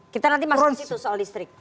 kita nanti masuk ke situ soal listrik